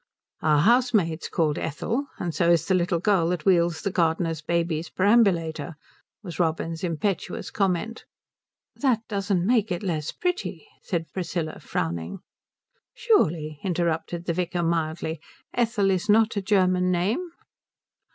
"Our housemaid's called Ethel, and so is the little girl that wheels the gardener's baby's perambulator," was Robin's impetuous comment. "That doesn't make it less pretty," said Priscilla, frowning. "Surely," interrupted the vicar mildly, "Ethel is not a German name?"